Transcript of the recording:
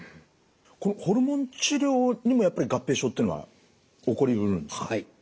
これホルモン治療にもやっぱり合併症っていうのは起こりうるんですか。